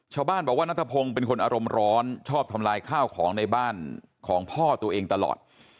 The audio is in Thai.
ชาวบ้านบอกว่านัทพงศ์เป็นคนอารมณ์ร้อนชอบทำลายข้าวของในบ้านของพ่อตัวเองตลอด